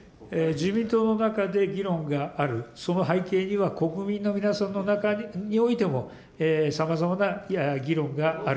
自民党の中で議論がある、その背景には国民の皆様の中においても、さまざまな議論がある。